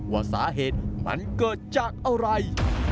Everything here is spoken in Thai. ว่าสาเหตุมันเกิดจากอะไร